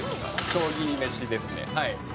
将棋めしですね。